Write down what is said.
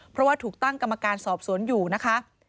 เพราะว่าถูกตั้งกรรมการสอบสวนอยู่นะคะ